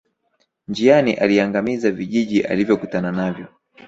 Njiani aliangamiza vijiji alivyokutana navyo